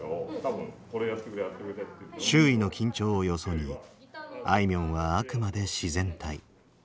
周囲の緊張をよそにあいみょんはあくまで自然体。